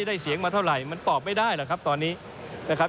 เสียงมาเท่าไหร่มันตอบไม่ได้หรอกครับตอนนี้นะครับ